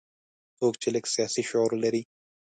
څوک چې لږ سیاسي شعور لري.